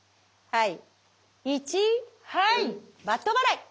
はい。